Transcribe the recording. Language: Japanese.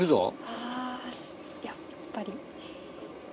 あぁやっぱり。